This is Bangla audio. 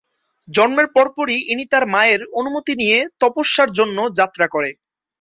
জন্মের পরপরই ইনি তার মায়ের অনুমতি নিয়ে তপস্যার জন্য যাত্রা করে।।